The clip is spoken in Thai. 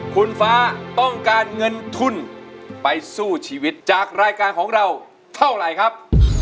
คุณฟ้าต้องการเงินทุนไปสู้ชีวิตจากรายการของเราเท่าไหร่ครับ